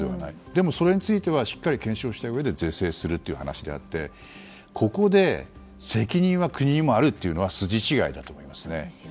でも、それについてはしっかり検証をしたうえで是正するという話であってここで責任は国にもあるというのは筋違いだと思いますね。